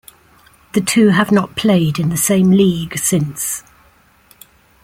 The two have not played in the same league since.